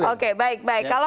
oke baik baik kalau